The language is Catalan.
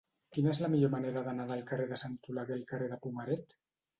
Quina és la millor manera d'anar del carrer de Sant Oleguer al carrer de Pomaret?